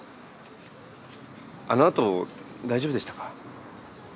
あのあと大丈夫でしたか？